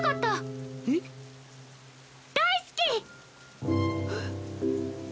大好き！